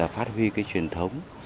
phát huy truyền thống